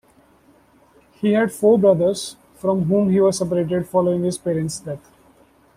He had four brothers, from whom he was separated following his parents' death.